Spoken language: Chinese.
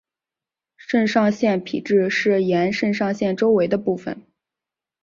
肾上腺皮质是沿肾上腺周围的部分。